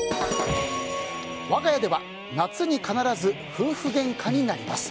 我が家では夏に必ず夫婦げんかになります。